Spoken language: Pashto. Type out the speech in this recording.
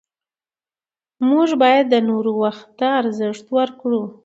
موږ باید د نورو وخت ته ارزښت ورکړو